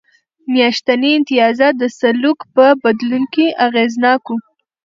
میاشتني امتیازات د سلوک په بدلون کې اغېزناک و